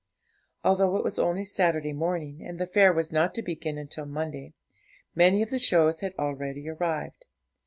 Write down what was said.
Although it was only Saturday morning, and the fair was not to begin until Monday, many of the shows had already arrived.